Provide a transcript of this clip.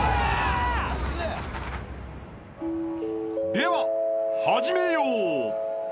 ［では始めよう！］